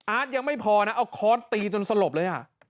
ยังไม่พอนะเอาค้อนตีจนสลบเลย